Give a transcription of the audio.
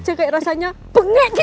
yang poker bah mpr ecco